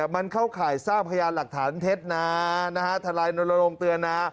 มันเข้าข่ายสร้างพยานหลักฐานเท็จนะทนายนรงค์เตือนนะ